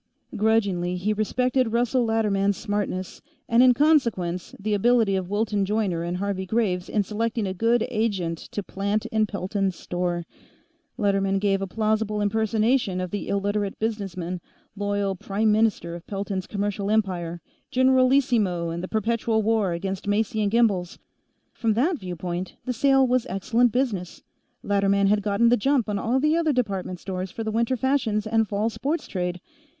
Grudgingly, he respected Russell Latterman's smartness, and in consequence, the ability of Wilton Joyner and Harvey Graves in selecting a good agent to plant in Pelton's store. Latterman gave a plausible impersonation of the Illiterate businessman, loyal Prime Minister of Pelton's commercial empire, Generalissimo in the perpetual war against Macy & Gimbel's. From that viewpoint, the sale was excellent business Latterman had gotten the jump on all the other department stores for the winter fashions and fall sports trade.